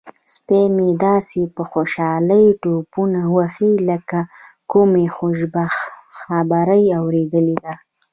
سپی مې داسې په خوشحالۍ ټوپونه وهي لکه د کومې خوشخبرۍ اوریدل.